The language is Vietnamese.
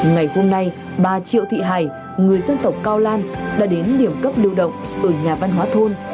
ngày hôm nay bà triệu thị hải người dân tộc cao lan đã đến điểm cấp lưu động ở nhà văn hóa thôn